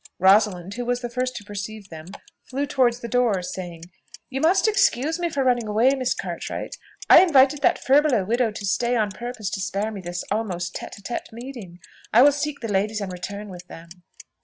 Rosalind, who was the first to perceive them, flew towards the door, saying, "You must excuse me for running away, Miss Cartwright. I invited that furbelow widow to stay on purpose to spare me this almost tête à tête meeting. I will seek the ladies and return with them."